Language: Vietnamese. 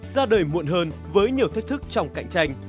ra đời muộn hơn với nhiều thách thức trong cạnh tranh